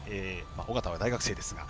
緒方は大学生ですが。